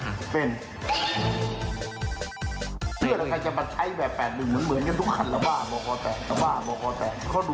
ให้เขาเกิด